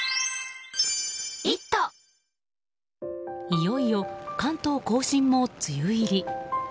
いよいよ関東・甲信も梅雨入り。